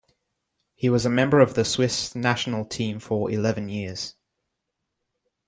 He was a member of the Swiss national team for eleven years.